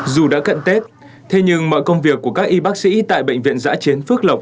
dù đã cận tết thế nhưng mọi công việc của các y bác sĩ tại bệnh viện giã chiến phước lộc